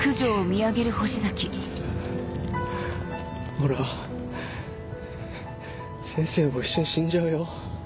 ほら先生も一緒に死んじゃうよ？